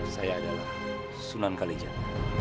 saya adalah sunan kalijat